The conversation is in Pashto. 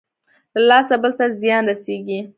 له لاسه بل ته زيان رسېږي.